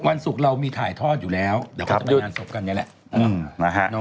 วันศุกร์เรามีถ่ายทอดอยู่แล้วเดี๋ยวเขาจะไปงานศพกันนี่แหละ